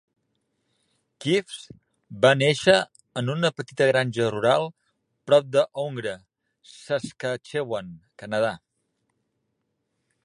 Kives va néixer en una petita granja rural prop de Oungre, Saskatchewan, Canadà.